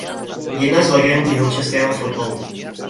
Jedna z legend jihočeského fotbalu.